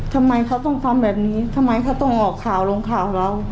ทำไมเขาต้องทำแบบนี้ทำไมเขาต้องออกข่าวลงข่าวเรา